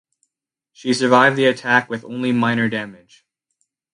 She survived the attack with only minor damage.